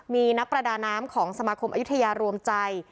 มีนักประดาน้ำของสมาคมอายุทยารวมใจ